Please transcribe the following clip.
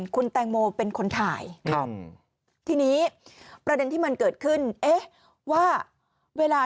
คุณแตงโมเป็นคนถ่ายครับทีนี้ประเด็นที่มันเกิดขึ้นเอ๊ะว่าเวลา